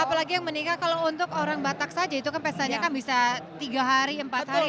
apalagi yang meninggal kalau untuk orang batak saja itu kan pestanya kan bisa tiga hari empat hari